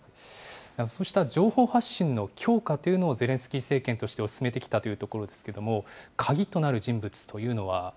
そうした情報発信の強化というのをゼレンスキー政権というのは進めてきたというところですけれども、鍵となる人物というのは。